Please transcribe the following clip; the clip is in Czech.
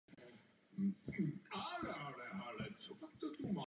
Kritériem stanoveným Soudním dvorem je potřeba lékařské péče.